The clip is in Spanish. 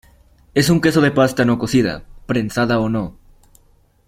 Es un queso de pasta no cocida, prensada o no.